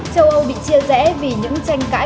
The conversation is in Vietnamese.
châu âu bị chia rẽ vì những tranh cãi